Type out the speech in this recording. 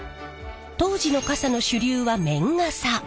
当時の傘の主流は綿傘。